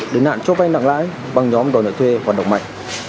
để nạn cho vay nặng lãi bằng nhóm đòi nợ thuê hoạt động mạnh